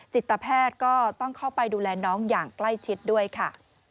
จิตแพทย์ก็ต้องเข้าไปดูแลน้องอย่างใกล้ชิดด้วยค่ะ